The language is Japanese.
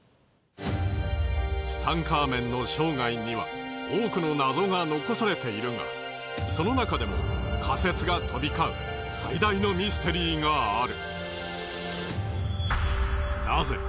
ツタンカーメンの生涯には多くの謎が残されているがそのなかでも仮説が飛び交う最大のミステリーがある。